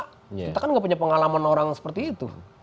kita kan gak punya pengalaman orang seperti itu